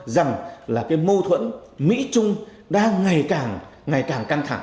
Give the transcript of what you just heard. rằng là cái mâu thuẫn mỹ trung đang ngày càng ngày càng căng thẳng